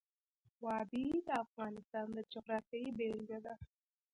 وادي د افغانستان د جغرافیې بېلګه ده.